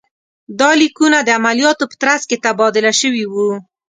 دا لیکونه د عملیاتو په ترڅ کې تبادله شوي وو.